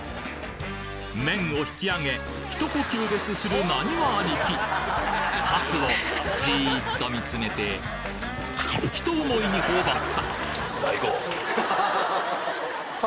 麺を引き上げひと呼吸ですするナニワ兄貴かすをじっと見つめてひと思いに頬張った！